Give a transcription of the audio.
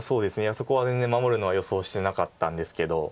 そこは全然守るのは予想してなかったんですけど。